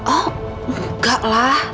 oh enggak lah